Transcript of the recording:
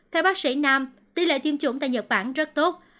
theo bác sĩ nam tỷ lệ tiêm chủng tại nhật bản rất tốt